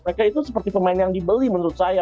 mereka itu seperti pemain yang dibeli menurut saya